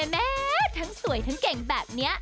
แม้ทั้งสวยทั้งเก่งแบบนี้